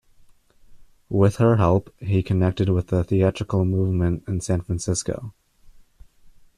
With her help, he connected with the theatrical movement in San Francisco.